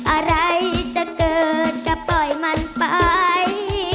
อะไรจะเกิดก็ปล่อยมันไป